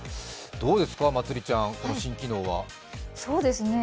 どうですか、まつりちゃん、この新機能は。